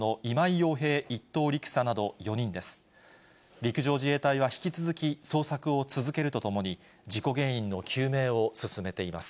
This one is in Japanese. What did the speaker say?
陸上自衛隊は引き続き、捜索を続けるとともに、事故原因の究明を進めています。